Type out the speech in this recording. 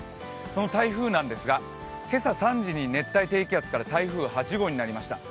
その台風なんですが、今朝３時に熱帯低気圧から台風８号になりました